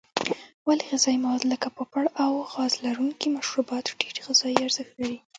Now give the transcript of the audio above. ولې غذایي مواد لکه پاپړ او غاز لرونکي مشروبات ټیټ غذایي ارزښت لري.